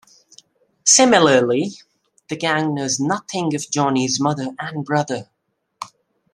Similarly, the gang knows nothing of Johnny's mother and brother.